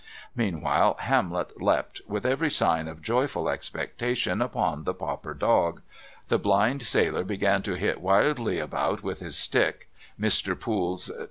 Meanwhile, Hamlet leapt, with every sign of joyful expectation, upon the pauper dog; the blind sailor began to hit wildly about with his stick, Mr. Poole's "2d."